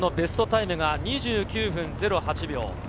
１００００ｍのベストタイムが２９分０８秒。